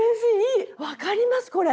分かりますこれ。